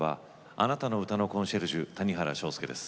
あなたの歌のコンシェルジュ谷原章介です。